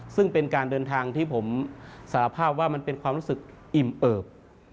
ซึ่งเป็นการเดินทางที่ผมสารภาพว่ามันเป็นความรู้สึกอิ่มเอิบ